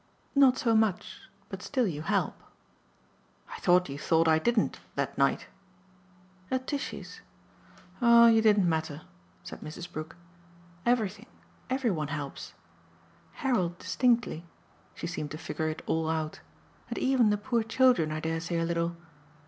"Not so much but still you help." "I thought you thought I didn't that night." "At Tishy's? Oh you didn't matter," said Mrs. Brook. "Everything, every one helps. Harold distinctly" she seemed to figure it all out "and even the poor children, I dare say, a little.